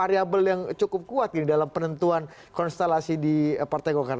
variable yang cukup kuat dalam penentuan konstelasi di partai golkar